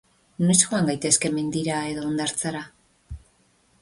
Noiz joan gaitezke mendira edo hondartzara?